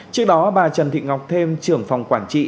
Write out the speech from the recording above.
trước đó bà trần thị ngọc thêm trưởng phòng quản trị